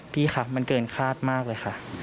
พี่คะมันเกินคาดมากเลยค่ะ